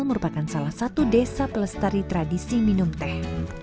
merupakan salah satu desa pelestari tradisi minum teh